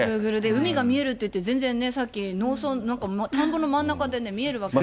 海が見えるっていって、全然ね、さっき、農村、田んぼの真ん中で見えるわけない。